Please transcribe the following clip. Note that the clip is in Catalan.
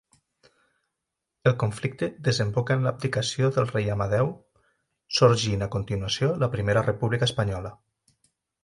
El conflicte desemboca en l'abdicació del rei Amadeu sorgint a continuació la Primera República Espanyola.